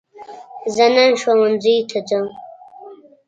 زه نن ښوونځي ته ځم